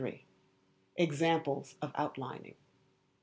Examples of Outlining.